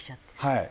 はい。